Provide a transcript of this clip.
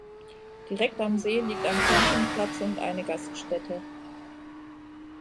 Direkt am See liegt ein Campingplatz und eine Gaststätte.